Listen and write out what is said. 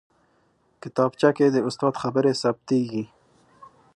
کتابچه کې د استاد خبرې ثبتېږي